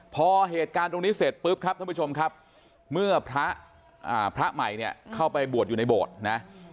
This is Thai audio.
พอเหตุการณ์ตรงนี้เสร็จปุ๊บครับท่านผู้ชมครับเมื่อพระใหม่เนี่ยเข้าไปบวชอยู่ในโบสถ์นะ